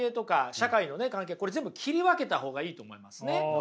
これ全部切り分けた方がいいと思いますね。